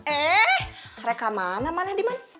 eh mereka mana mana dimana